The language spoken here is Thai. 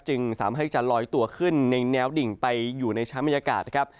จึงสามารถให้จะลอยตัวขึ้นในแนวดิ่งไปอยู่ในชั้นบรรยากาศนะครับ